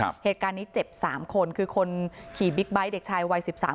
เหตุการณ์นี้เจ็บสามคนคือคนขี่บิ๊กไบท์เด็กชายวัยสิบสาม